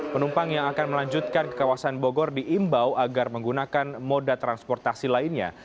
penumpang yang akan melanjutkan ke kawasan bogor diimbau agar menggunakan moda transportasi lainnya